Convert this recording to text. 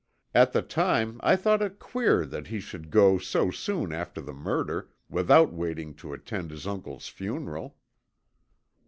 At the time I thought it queer that he should go so soon after the murder, without waiting to attend his uncle's funeral."